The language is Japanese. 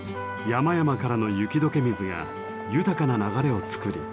山々からの雪解け水が豊かな流れをつくり